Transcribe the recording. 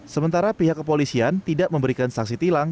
sementara pihak kepolisian tidak memberikan saksi tilang